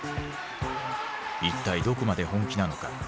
一体どこまで本気なのか